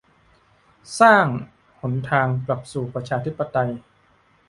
"สร้าง" หนทางกลับสู่ประชาธิปไตย